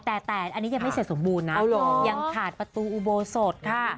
แต่อันนี้ยังไม่เสร็จสมบูรณ์นะยังขาดประตูอุโบสถค่ะ